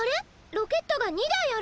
ロケットが２だいある！